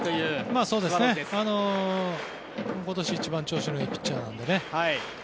今年一番調子がいいピッチャーなので。